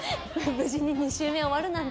無事に２週目終わるなんて。